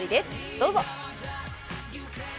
どうぞ。